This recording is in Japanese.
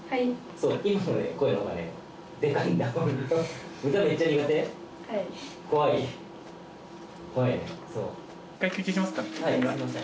そうはいすいません